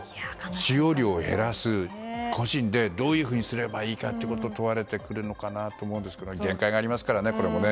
使用量を減らす、個人でどういうふうにすればいいかを問われてくるのかなと思うんですけどこれも限界がありますからね。